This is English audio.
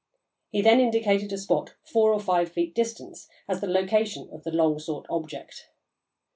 He then indicated a spot four or five feet distant, as the location of the long sought object.